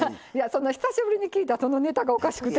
そんな久しぶりに聞いたそのネタがおかしくて。